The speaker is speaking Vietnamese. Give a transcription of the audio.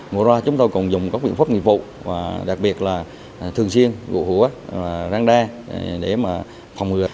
mùa ra chúng tôi còn dùng các biện pháp nghiệp vụ đặc biệt là thường xuyên gụ hũa răng đe để phòng ngừa